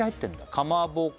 「かまぼこ」